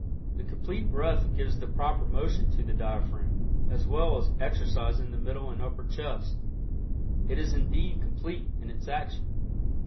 The Complete Breath gives the proper motion to the diaphragm, as well as exercising the middle and upper chest. It is indeed "complete" in its action.